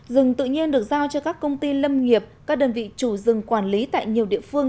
rừng tự nhiên được giao cho các công ty lâm nghiệp các đơn vị chủ rừng quản lý tại nhiều địa phương